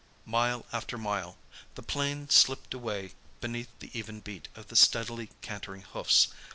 Mile after mile! The plain slipped away beneath the even beat of the steadily cantering hoofs.